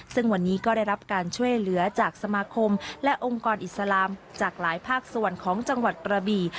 ซึ่งวันนี้ก็ได้รับการช่วยเหลือจากสมาคมและองค์กรอิสลามจากหลายภาคส่วนของจังหวัดกระบี่